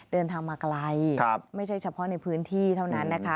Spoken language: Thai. เดินทางมาไกลไม่ใช่เฉพาะในพื้นที่เท่านั้นนะคะ